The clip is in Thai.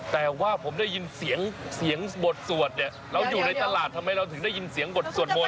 แต่ว่าผมได้ยินเสียงเสียงบทสวดเนี่ยเราอยู่ในตลาดทำไมเราถึงได้ยินเสียงบทสวดมน